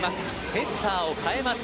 セッターを代えます。